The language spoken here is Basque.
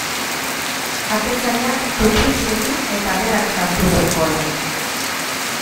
Atezainak tupust egin eta berak sartu zuen gola.